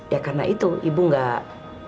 ya karena itu ibu enggak